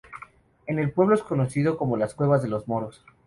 En el pueblo es conocido como "las cuevas de los moros".